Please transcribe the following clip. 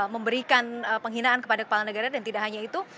memberikan penghinaan kepada kepala negara dan tidak hanya itu